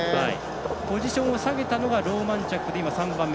ポジションを下げたのがローマンチャックで３番目。